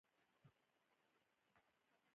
ګلاب د رنګونو سلطنت لري.